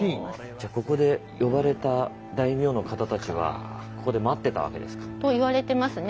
じゃここで呼ばれた大名の方たちはここで待ってたわけですか？と言われてますね。